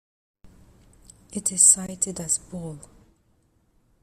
It is cited as Bull.